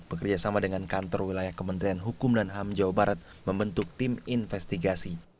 bekerjasama dengan kantor wilayah kementerian hukum dan ham jawa barat membentuk tim investigasi